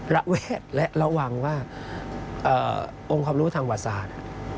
ระแวดและระวังว่าองค์ความรู้ทางประวัติศาสตร์